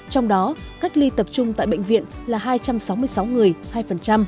trong đó cách ly tập trung tại bệnh viện là hai trăm sáu mươi sáu người hai